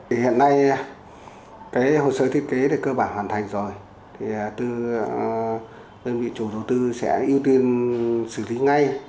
thì hiện nay cái hồ sơ thiết kế thì cơ bản hoàn thành rồi thì đơn vị chủ đầu tư sẽ ưu tiên xử lý ngay